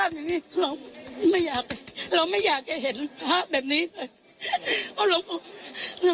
นี่เป็นคำกับท่านคุณครับ